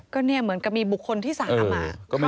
ก็เหมือนมีบุคคลที่สามารถเข้ามา